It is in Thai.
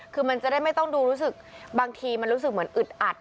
คือมันจะได้ไม่ต้องดูรู้สึกบางทีมันรู้สึกเหมือนอึดอัด